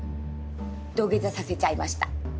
土下座させちゃいました。